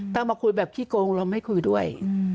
ถ้ามาคุยแบบขี้โกงเราไม่คุยด้วย